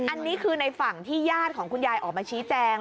อันนี้คือในฝั่งที่ญาติของคุณยายออกมาชี้แจง